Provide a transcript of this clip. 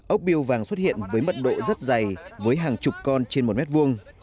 ốc biêu vàng xuất hiện với mật độ rất dày với hàng chục con trên một mét vuông